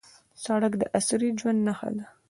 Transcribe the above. سړک د عصري ژوند نښه ده.